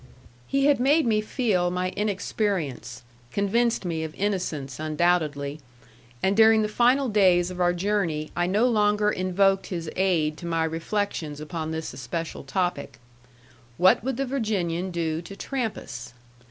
He had made me feel my inexperience, convinced me of innocence, undoubtedly; and during the final days of our journey I no longer invoked his aid to my reflections upon this especial topic: What would the Virginian do to Trampas?